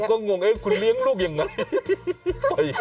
ก็งงคุณเลี้ยงลูกยังไง